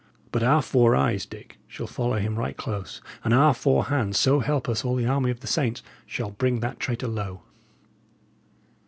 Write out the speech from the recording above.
But our four eyes, Dick, shall follow him right close, and our four hands so help us all the army of the saints! shall bring that traitor low!"